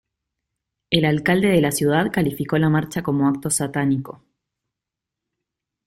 El alcalde de la ciudad calificó la marcha como 'acto satánico'.